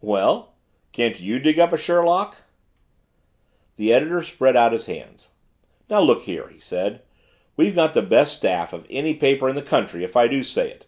"Well can't you dig up a Sherlock?" The editor spread out his hands. "Now, look here," he said. "We've got the best staff of any paper in the country, if I do say it.